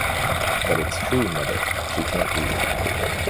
But it’s true, mother — she can’t read.